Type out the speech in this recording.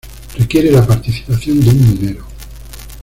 Requiere la participación de un minero.